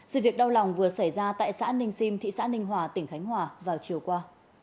sự việc đau lòng vừa xảy ra tại xã ninh sim thị xã ninh hòa tỉnh khánh hòa vào chiều qua